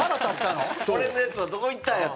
俺のやつはどこいったんやと。